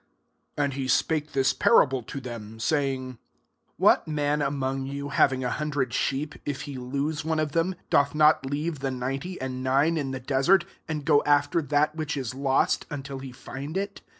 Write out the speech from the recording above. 3 And he spake this parable to them, saying, 4 " What man among you, having a hundred sheep, if he lose one of them, doth not leave the ninety and nine in the desert, and go after that which is lost, until he find it